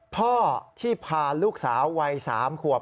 พ่อที่พาลูกสาววัย๓ขวบ